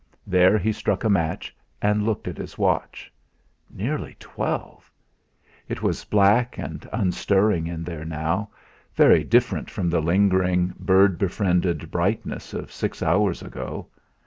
There he struck a match and looked at his watch. Nearly twelve! It was black and unstirring in there now, very different from the lingering, bird befriended brightness of six hours ago!